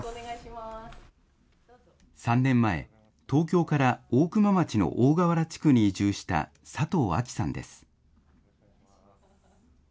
３年前、東京から大熊町の大川原地区に移住した佐藤亜紀さんです。